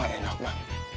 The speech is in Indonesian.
wah enak mah